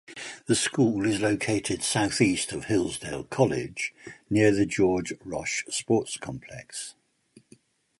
The school is located south-east of Hillsdale College, near the George Roche Sports Complex.